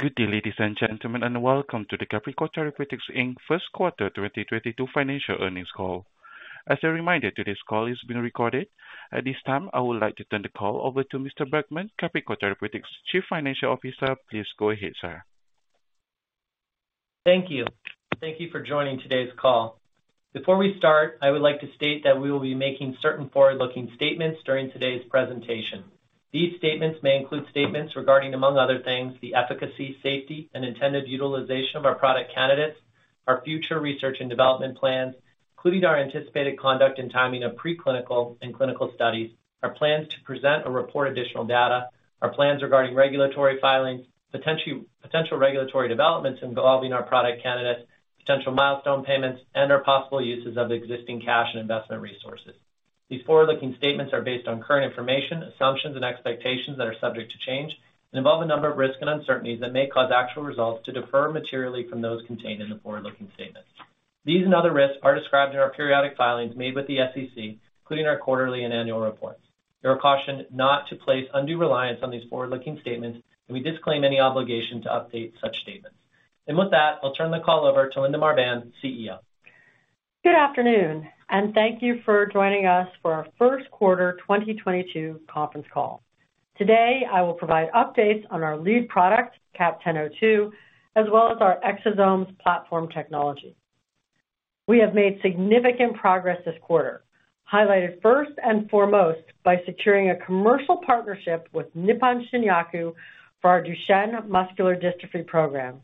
Good day, ladies and gentlemen, and welcome to the Capricor Therapeutics, Inc. first quarter 2022 financial earnings call. As a reminder, today's call is being recorded. At this time, I would like to turn the call over to Mr. Bergmann, Capricor Therapeutics Chief Financial Officer. Please go ahead, sir. Thank you. Thank you for joining today's call. Before we start, I would like to state that we will be making certain forward-looking statements during today's presentation. These statements may include statements regarding, among other things, the efficacy, safety, and intended utilization of our product candidates, our future research and development plans, including our anticipated conduct and timing of pre-clinical and clinical studies, our plans to present or report additional data, our plans regarding regulatory filings, potential regulatory developments involving our product candidates, potential milestone payments, and our possible uses of existing cash and investment resources. These forward-looking statements are based on current information, assumptions and expectations that are subject to change and involve a number of risks and uncertainties that may cause actual results to differ materially from those contained in the forward-looking statements. These and other risks are described in our periodic filings made with the SEC, including our quarterly and annual reports. You are cautioned not to place undue reliance on these forward-looking statements, and we disclaim any obligation to update such statements. With that, I'll turn the call over to Linda Marbán, CEO. Good afternoon, and thank you for joining us for our first quarter 2022 conference call. Today, I will provide updates on our lead product, CAP-1002, as well as our exosomes platform technology. We have made significant progress this quarter, highlighted first and foremost by securing a commercial partnership with Nippon Shinyaku for our Duchenne muscular dystrophy program,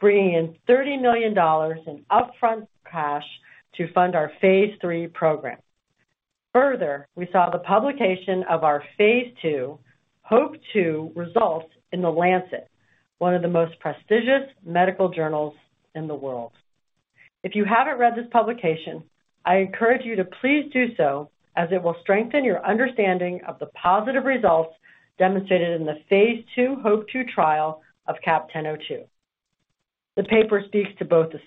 bringing in $30 million in upfront cash to fund our phase III program. Further, we saw the publication of our phase II HOPE-2 results in The Lancet, one of the most prestigious medical journals in the world. If you haven't read this publication, I encourage you to please do so, as it will strengthen your understanding of the positive results demonstrated in the phase II HOPE-2 trial of CAP-1002. The paper speaks to both the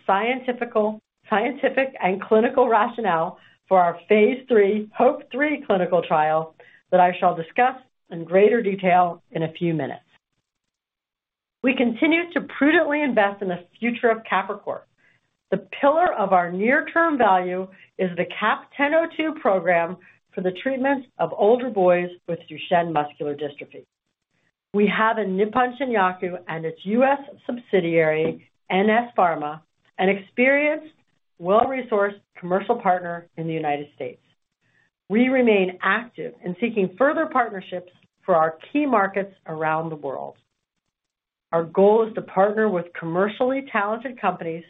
scientific and clinical rationale for our phase III HOPE-3 clinical trial that I shall discuss in greater detail in a few minutes. We continue to prudently invest in the future of Capricor. The pillar of our near-term value is the CAP-1002 program for the treatment of older boys with Duchenne muscular dystrophy. We have in Nippon Shinyaku and its U.S. subsidiary, NS Pharma, an experienced, well-resourced commercial partner in the United States. We remain active in seeking further partnerships for our key markets around the world. Our goal is to partner with commercially talented companies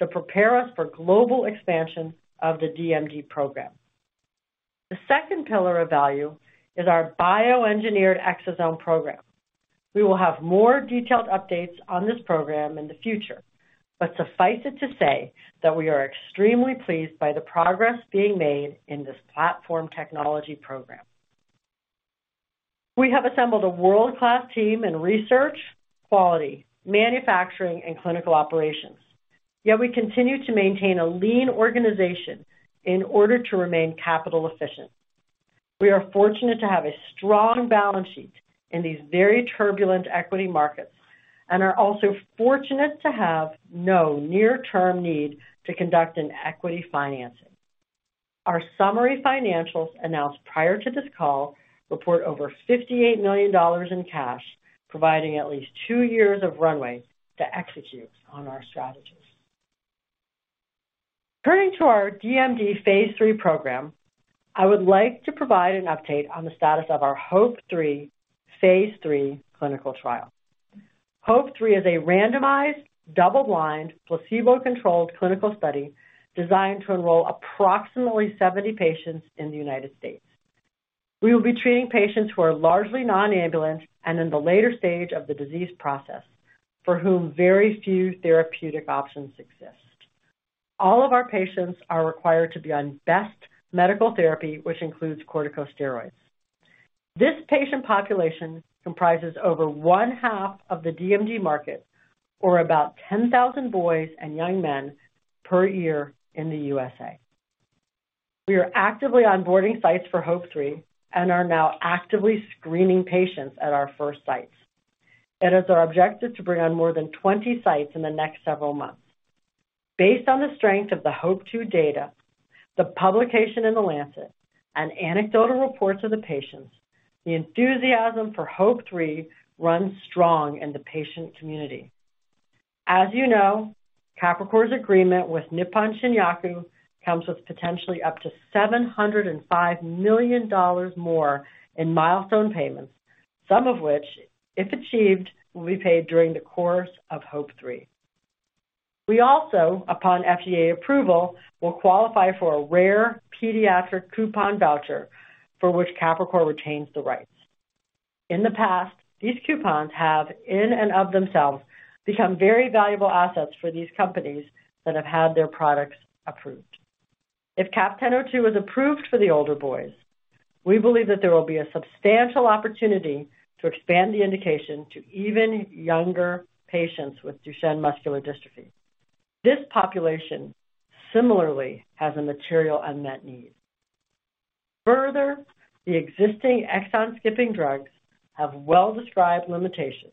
to prepare us for global expansion of the DMD program. The second pillar of value is our bioengineered exosome program. We will have more detailed updates on this program in the future, but suffice it to say that we are extremely pleased by the progress being made in this platform technology program. We have assembled a world-class team in research, quality, manufacturing, and clinical operations, yet we continue to maintain a lean organization in order to remain capital efficient. We are fortunate to have a strong balance sheet in these very turbulent equity markets and are also fortunate to have no near-term need to conduct an equity financing. Our summary financials announced prior to this call report over $58 million in cash, providing at least two years of runway to execute on our strategies. Turning to our DMD Phase III program, I would like to provide an update on the status of our HOPE-3 Phase III clinical trial. HOPE-3 is a randomized, double-blind, placebo-controlled clinical study designed to enroll approximately 70 patients in the United States. We will be treating patients who are largely non-ambulant and in the later stage of the disease process, for whom very few therapeutic options exist. All of our patients are required to be on best medical therapy, which includes corticosteroids. This patient population comprises over one-half of the DMD market, or about 10,000 boys and young men per year in the USA. We are actively onboarding sites for HOPE-3 and are now actively screening patients at our first sites. It is our objective to bring on more than 20 sites in the next several months. Based on the strength of the HOPE-2 data, the publication in The Lancet, and anecdotal reports of the patients, the enthusiasm for HOPE-3 runs strong in the patient community. As you know, Capricor's agreement with Nippon Shinyaku comes with potentially up to $705 million more in milestone payments, some of which, if achieved, will be paid during the course of HOPE-3. We also, upon FDA approval, will qualify for a rare pediatric coupon voucher for which Capricor retains the rights. In the past, these coupons have, in and of themselves, become very valuable assets for these companies that have had their products approved. If CAP-1002 is approved for the older boys, we believe that there will be a substantial opportunity to expand the indication to even younger patients with Duchenne muscular dystrophy. This population similarly has a material unmet need. Further, the existing exon skipping drugs have well-described limitations,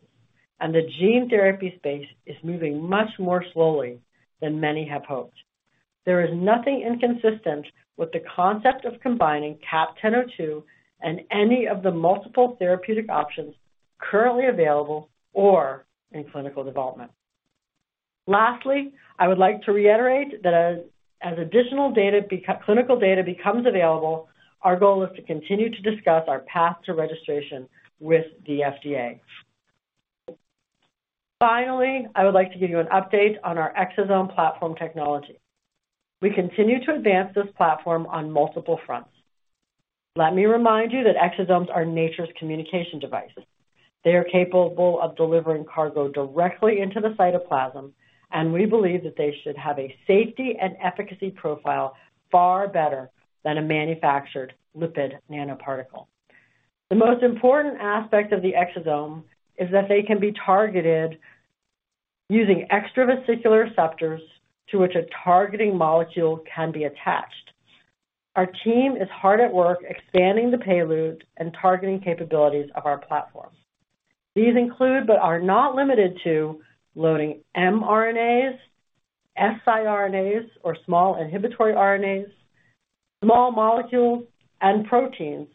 and the gene therapy space is moving much more slowly than many have hoped. There is nothing inconsistent with the concept of combining CAP-1002 and any of the multiple therapeutic options currently available or in clinical development. Lastly, I would like to reiterate that as additional clinical data becomes available, our goal is to continue to discuss our path to registration with the FDA. Finally, I would like to give you an update on our exosome platform technology. We continue to advance this platform on multiple fronts. Let me remind you that exosomes are nature's communication devices. They are capable of delivering cargo directly into the cytoplasm, and we believe that they should have a safety and efficacy profile far better than a manufactured lipid nanoparticle. The most important aspect of the exosome is that they can be targeted using extravesicular receptors to which a targeting molecule can be attached. Our team is hard at work expanding the payload and targeting capabilities of our platform. These include, but are not limited to loading mRNAs, siRNAs or small inhibitory RNAs, small molecules and proteins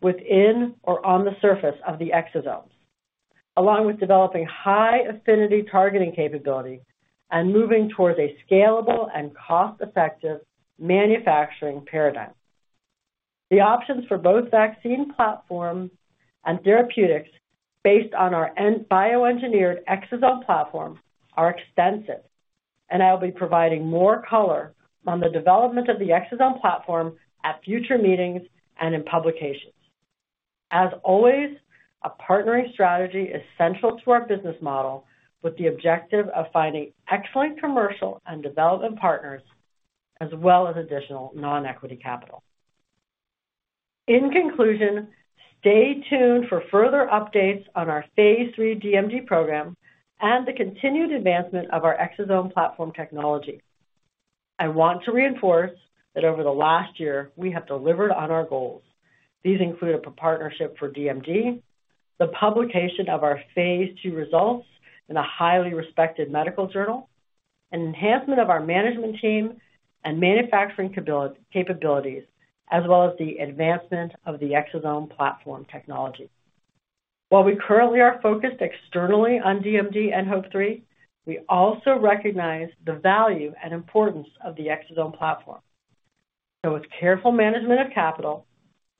within or on the surface of the exosomes, along with developing high affinity targeting capability and moving towards a scalable and cost-effective manufacturing paradigm. The options for both vaccine platform and therapeutics based on our engineered exosome platform are extensive, and I'll be providing more color on the development of the exosome platform at future meetings and in publications. As always, a partnering strategy is central to our business model with the objective of finding excellent commercial and development partners, as well as additional non-equity capital. In conclusion, stay tuned for further updates on our phase III DMD program and the continued advancement of our exosome platform technology. I want to reinforce that over the last year, we have delivered on our goals. These include a partnership for DMD, the publication of our phase II results in a highly respected medical journal, an enhancement of our management team and manufacturing capabilities, as well as the advancement of the exosome platform technology. While we currently are focused externally on DMD and HOPE-3, we also recognize the value and importance of the exosome platform. With careful management of capital,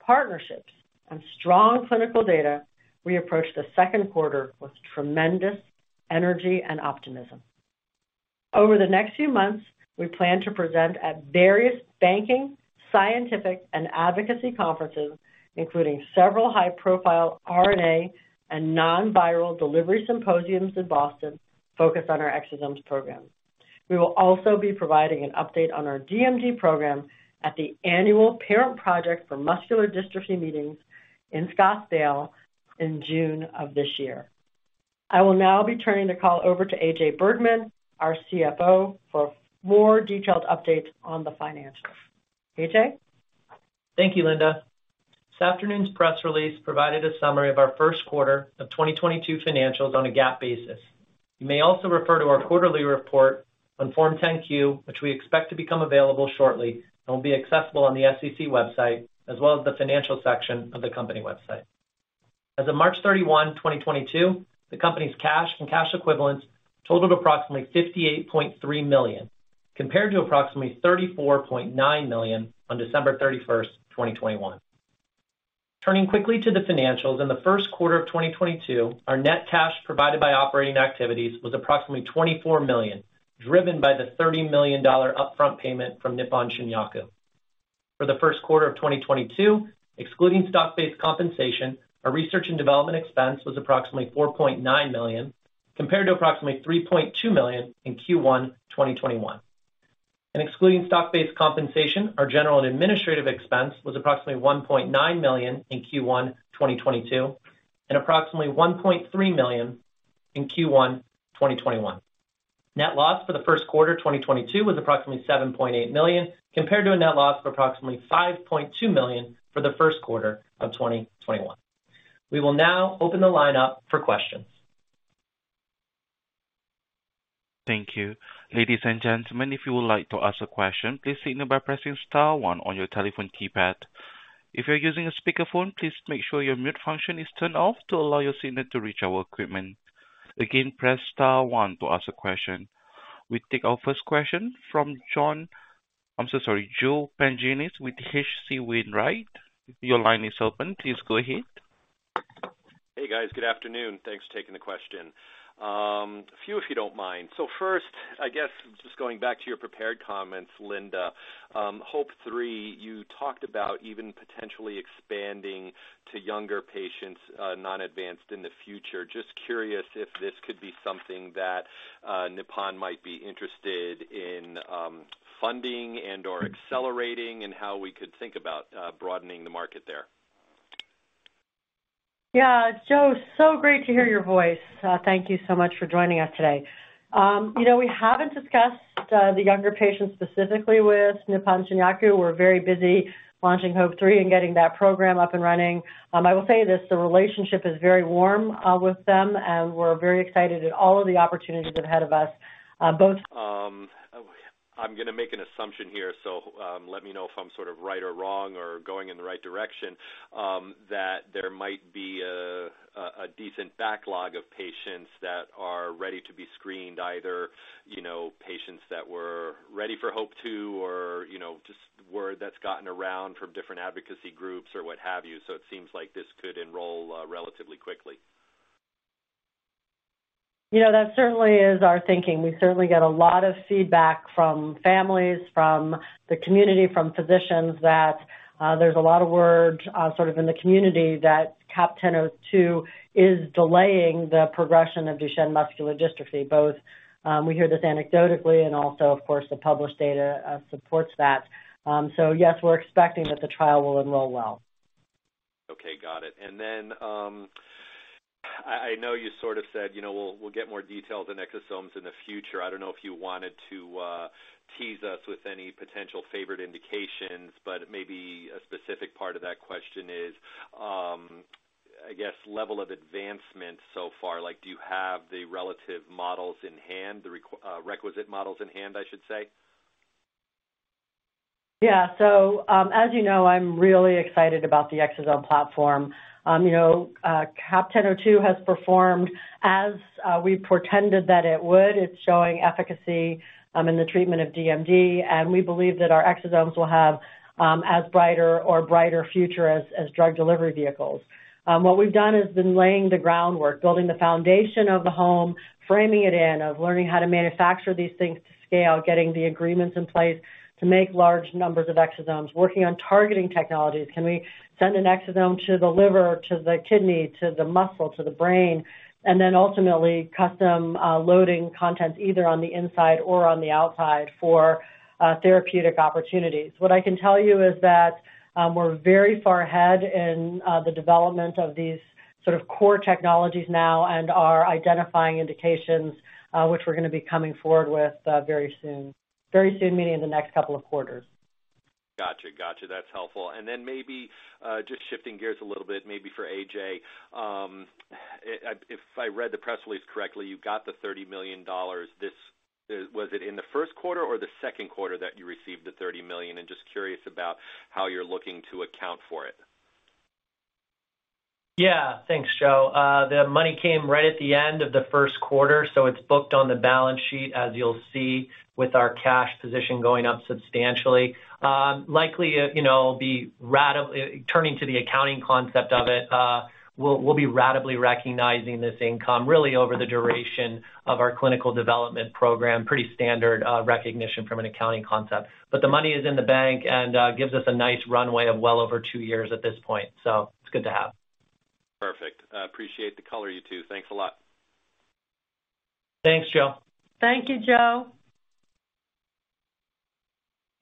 partnerships, and strong clinical data, we approach the second quarter with tremendous energy and optimism. Over the next few months, we plan to present at various banking, scientific, and advocacy conferences, including several high-profile RNA and non-viral delivery symposiums in Boston focused on our exosomes program. We will also be providing an update on our DMD program at the annual Parent Project Muscular Dystrophy meetings in Scottsdale in June of this year. I will now be turning the call over to A.J. Bergmann, our CFO, for more detailed updates on the financials. A.J.? Thank you, Linda. This afternoon's press release provided a summary of our first quarter of 2022 financials on a GAAP basis. You may also refer to our quarterly report on Form 10-Q, which we expect to become available shortly and will be accessible on the SEC website, as well as the financial section of the company website. As of March 31, 2022, the company's cash and cash equivalents totaled approximately $58.3 million, compared to approximately $34.9 million on December 31, 2021. Turning quickly to the financials, in the first quarter of 2022, our net cash provided by operating activities was approximately $24 million, driven by the $30 million upfront payment from Nippon Shinyaku. For the first quarter of 2022, excluding stock-based compensation, our research and development expense was approximately $4.9 million, compared to approximately $3.2 million in Q1 2021. Excluding stock-based compensation, our general and administrative expense was approximately $1.9 million in Q1 2022 and approximately $1.3 million in Q1 2021. Net loss for the first quarter 2022 was approximately $7.8 million, compared to a net loss of approximately $5.2 million for the first quarter of 2021. We will now open the line up for questions. Thank you. Ladies and gentlemen, if you would like to ask a question, please signal by pressing star one on your telephone keypad. If you're using a speakerphone, please make sure your mute function is turned off to allow your signal to reach our equipment. Again, press star one to ask a question. We take our first question from Joe Pantginis with H.C. Wainwright. Your line is open. Please go ahead. Hey, guys. Good afternoon. Thanks for taking the question. A few, if you don't mind. First, I guess just going back to your prepared comments, Linda Marbán, HOPE-3, you talked about even potentially expanding to younger patients, non-advanced in the future. Just curious if this could be something that, Nippon might be interested in, funding and/or accelerating and how we could think about, broadening the market there. Yeah. Joe, so great to hear your voice. Thank you so much for joining us today. You know, we haven't discussed the younger patients specifically with Nippon Shinyaku. We're very busy launching HOPE-3 and getting that program up and running. I will say this, the relationship is very warm with them, and we're very excited at all of the opportunities ahead of us, both. I'm gonna make an assumption here, so let me know if I'm sort of right or wrong or going in the right direction. That there might be a decent backlog of patients that are ready to be screened, either you know patients that were ready for HOPE-2 or you know just word that's gotten around from different advocacy groups or what have you. It seems like this could enroll relatively quickly. You know, that certainly is our thinking. We certainly get a lot of feedback from families, from the community, from physicians that there's a lot of buzz sort of in the community that CAP-1002 is delaying the progression of Duchenne muscular dystrophy, both, we hear this anecdotally and also, of course, the published data supports that. Yes, we're expecting that the trial will enroll well. Okay, got it. I know you sort of said, you know, we'll get more details on exosomes in the future. I don't know if you wanted to tease us with any potential favorite indications, but maybe a specific part of that question is, I guess, level of advancement so far. Like, do you have the relative models in hand, the requisite models in hand, I should say? Yeah. As you know, I'm really excited about the exosome platform. You know, CAP-1002 has performed as we predicted that it would. It's showing efficacy in the treatment of DMD, and we believe that our exosomes will have a brighter or even brighter future as drug delivery vehicles. What we've done is been laying the groundwork, building the foundation of the home, framing it in, of learning how to manufacture these things to scale, getting the agreements in place to make large numbers of exosomes, working on targeting technologies. Can we send an exosome to the liver, to the kidney, to the muscle, to the brain? Then ultimately custom loading content either on the inside or on the outside for therapeutic opportunities. What I can tell you is that, we're very far ahead in the development of these sort of core technologies now and are identifying indications, which we're gonna be coming forward with, very soon. Very soon, meaning in the next couple of quarters. Gotcha. That's helpful. Maybe just shifting gears a little bit, maybe for A.J. If I read the press release correctly, you got the $30 million. Was it in the first quarter or the second quarter that you received the $30 million? I'm just curious about how you're looking to account for it. Yeah. Thanks, Joe. The money came right at the end of the first quarter, so it's booked on the balance sheet, as you'll see with our cash position going up substantially. Turning to the accounting concept of it, we'll be ratably recognizing this income really over the duration of our clinical development program. Pretty standard recognition from an accounting concept. The money is in the bank and gives us a nice runway of well over two years at this point. It's good to have. Perfect. I appreciate the color, you two. Thanks a lot. Thanks, Joe. Thank you, Joe.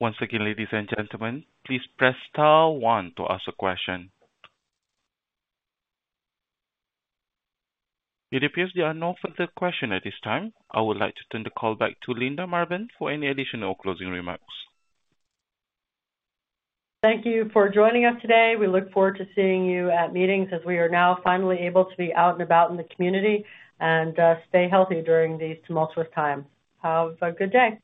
Once again, ladies and gentlemen, please press star one to ask a question. It appears there are no further question at this time. I would like to turn the call back to Linda Marbán for any additional closing remarks. Thank you for joining us today. We look forward to seeing you at meetings as we are now finally able to be out and about in the community. Stay healthy during these tumultuous times. Have a good day.